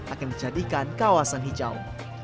akan menjadikan kawasan hijau